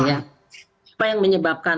apa yang menyebabkan